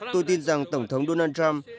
tôi tin rằng tổng thống donald trump